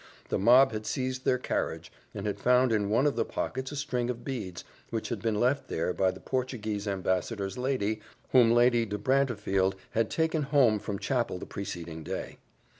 The mob had seized their carriage and had found in one of the pockets a string of beads, which had been left there by the Portuguese ambassador's lady, whom Lady De Brantefield had taken home from chapel the preceding day.